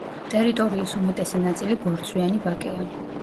ტერიტორიის უმეტესი ნაწილი ბორცვიანი ვაკეა.